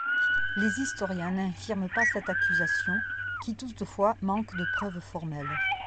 Les historiens n'infirment pas cette accusation, qui toutefois manque de preuves formelles.